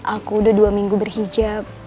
aku udah dua minggu berhijab